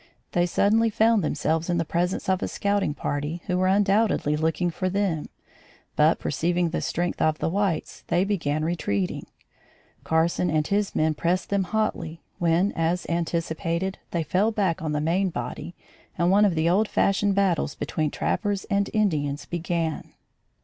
They suddenly found themselves in the presence of a scouting party, who were undoubtedly looking for them; but perceiving the strength of the whites, they began retreating. Carson and his men pressed them hotly, when, as anticipated, they fell back on the main body and one of the old fashioned battles between trappers and Indians began.